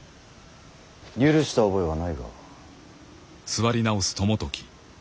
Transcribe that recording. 許した覚えはないが。